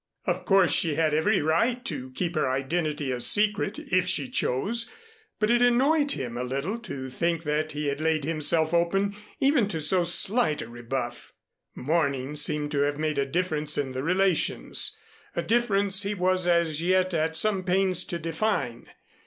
Of course, she had every right to keep her identity a secret, if she chose, but it annoyed him a little to think that he had laid himself open even to so slight a rebuff. Morning seemed to have made a difference in the relations, a difference he was as yet at some pains to define.